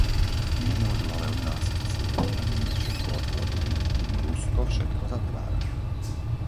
Nemôžu ale od nás chcieť, aby sme všetko otvorili, kým Rusko všetko zatvára.